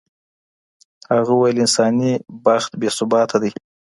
هغه وویل انساني بخت بې ثباته دی.